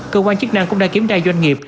cơ quan chức năng cũng đã kiểm tra doanh nghiệp